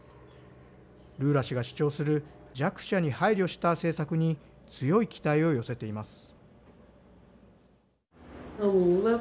ルーラ氏が主張する弱者に配慮した政策に強い期待を寄せています。